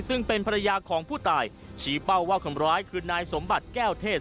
ซึ่งเป็นภรรยาของผู้ตายชี้เป้าว่าคนร้ายคือนายสมบัติแก้วเทศ